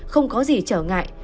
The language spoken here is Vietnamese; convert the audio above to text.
không có gì trở ngại